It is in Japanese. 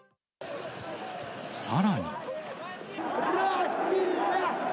さらに。